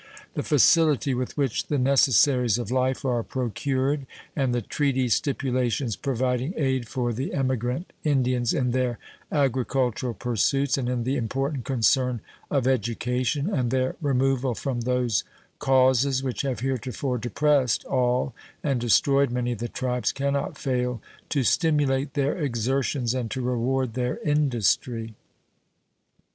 The facility with which the necessaries of life are procured and the treaty stipulations providing aid for the emigrant Indians in their agricultural pursuits and in the important concern of education, and their removal from those causes which have heretofore depressed all and destroyed many of the tribes, can not fail to stimulate their exertions and to reward their industry.